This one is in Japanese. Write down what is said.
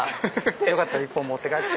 よかったら一本持って帰って。